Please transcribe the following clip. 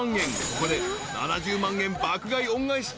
［ここで７０万円爆買い恩返し